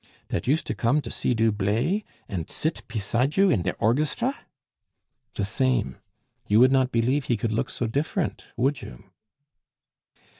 "Dat used to komm to see du blav und sit peside you in der orghestra?" "The same. You would not believe he could look so different, would you?"